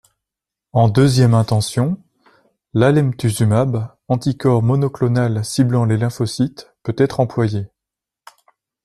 En deuxième intention, l'alemtuzumab, anticorps monoclonal ciblant les lymphocytes, peut être employé.